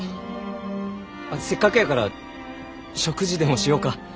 せっかくやから食事でもしようか。